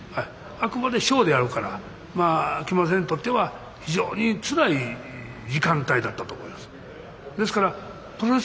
あくまでショーであるから木村先生にとっては非常につらい時間帯だったと思います。